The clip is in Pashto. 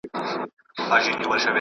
نوی نسل بايد د پوهي په ډګر کي مخکې وي.